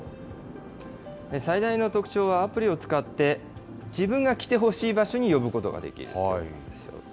最大の特徴は、アプリを使って、自分が来てほしい場所に呼ぶことができるということです。